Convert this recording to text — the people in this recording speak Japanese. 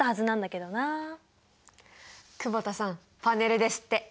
久保田さんパネルですって。